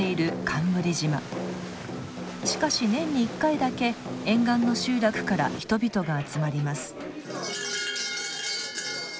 しかし年に１回だけ沿岸の集落から人々が集まります。